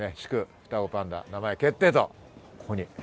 双子パンダ名前決定と。